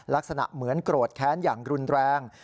ลักษณะเหมือนโกรธแค้นอย่างรุนแรง